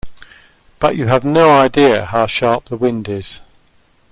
But you have no idea how sharp the wind is.